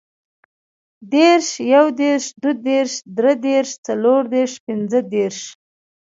دېرش, یودېرش, دودېرش, دریدېرش, څلوردېرش, پنځهدېرش